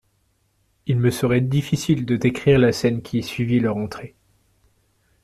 Il me serait difficile de décrire la scène qui suivit leur entrée.